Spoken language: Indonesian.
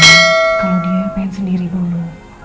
kalau dia pengen sendiri dulu